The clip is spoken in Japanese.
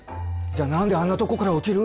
じゃあ何であんなとこから落ちる。